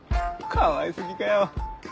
かわい過ぎかよ。